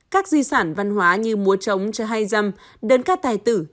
các di sản văn hóa như mùa trống chơ hai dâm đơn ca tài tử